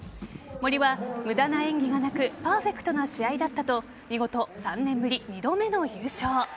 森は、無駄な演技がなくパーフェクトな試合だったと見事、３年ぶり２度目の優勝。